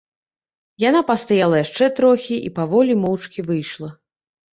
Яна пастаяла яшчэ трохі і паволі, моўчкі выйшла.